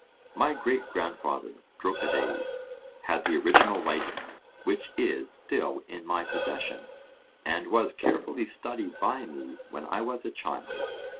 My great grandfather, Dropides, had the original writing, which is still in my possession, and was carefully studied by me when I was a child.